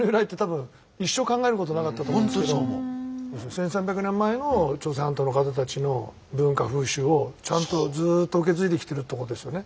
１，３００年前の朝鮮半島の方たちの文化風習をちゃんとずっと受け継いできてるってことですよね。